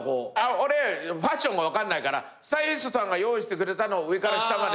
俺ファッションが分かんないからスタイリストさんが用意してくれたのを上から下まで買い取ってるだけ。